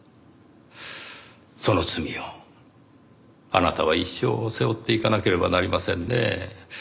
その罪をあなたは一生背負っていかなければなりませんねぇ。